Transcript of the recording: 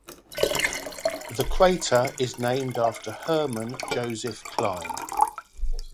The crater is named after Hermann Joseph Klein.